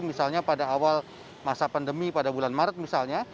misalnya pada awal masa pandemi pada bulan maret misalnya